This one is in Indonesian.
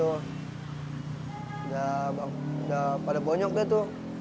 udah pada bonyok deh tuh